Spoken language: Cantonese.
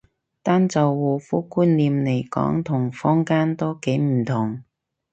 單就護膚觀念嚟講同坊間都幾唔同